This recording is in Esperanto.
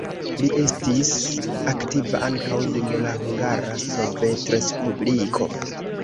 Li estis aktiva ankaŭ dum la Hungara Sovetrespubliko.